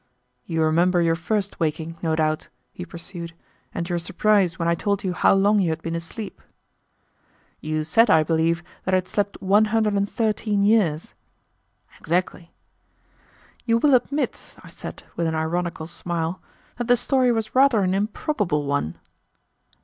"You remember your first waking, no doubt," he pursued, "and your surprise when I told you how long you had been asleep?" "You said, I believe, that I had slept one hundred and thirteen years." "Exactly." "You will admit," I said, with an ironical smile, "that the story was rather an improbable one."